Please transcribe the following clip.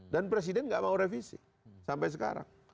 dan presiden nggak mau revisi sampai sekarang